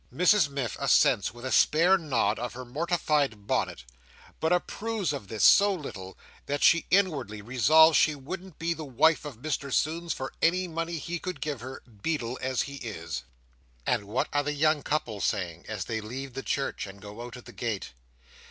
Mrs Miff assents with a spare nod of her mortified bonnet; but approves of this so little, that she inwardly resolves she wouldn't be the wife of Mr Sownds for any money he could give her, Beadle as he is. And what are the young couple saying as they leave the church, and go out at the gate?